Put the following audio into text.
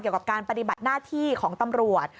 เกี่ยวกับการปฏิบัติหน้าที่ของตำรวจ